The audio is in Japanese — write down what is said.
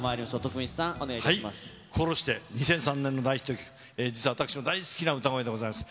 心して２００３年の大ヒット曲、実は私も大好きな歌声でございます。